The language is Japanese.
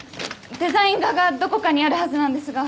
デザイン画がどこかにあるはずなんですが。